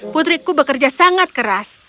putriku bekerja sangat keras